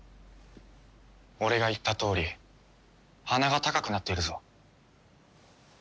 俺が言ったとおり鼻が高くなっているぞ。